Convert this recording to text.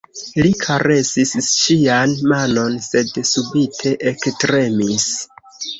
Li karesis ŝian manon, sed subite ektremis.